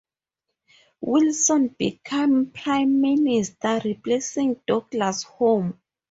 Wilson became Prime Minister, replacing Douglas-Home.